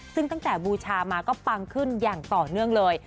ซึ่งตั้งแต่บูชามาก็ปังขึ้นอย่างต่อเนื่องเลย